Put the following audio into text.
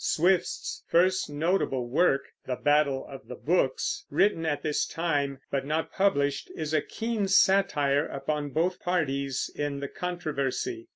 Swift's first notable work, The Battle of the Books, written at this time but not published, is a keen satire upon both parties in the controversy.